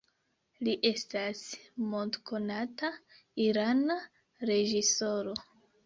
Li estas mondkonata irana reĝisoro.